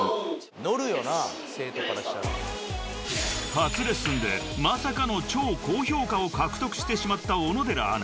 ［初レッスンでまさかの超高評価を獲得してしまった小野寺アナ］